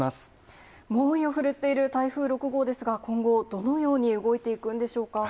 猛威を振るっている台風６号ですが、今後、どのように動いていくんでしょうか。